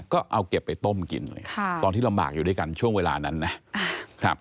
ก็เอาเก็บไปต้มกินเลยค่ะตอนที่ลำบากอยู่ด้วยกันช่วงเวลานั้นนะครับ